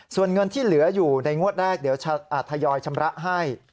ส่วนเงินที่เหลืออยู่ในงวดแรกเดี๋ยวทยอยชำระให้